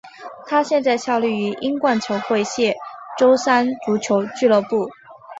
他现在效力于英冠球会谢周三足球俱乐部。